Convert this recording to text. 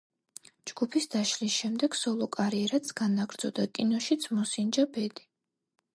ჯგუფის დაშლის შემდეგ სოლო კარიერაც განაგრძო და კინოშიც მოსინჯა ბედი.